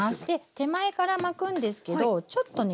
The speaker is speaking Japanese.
手前から巻くんですけどちょっとね